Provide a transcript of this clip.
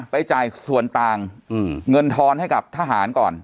ไปจ่ายส่วนต่างเงินทอนให้กับทหารก่อน